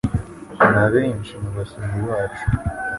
na benshi mu basomyi bacu.